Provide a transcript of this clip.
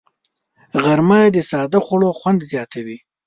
غرمه د ساده خوړو خوند زیاتوي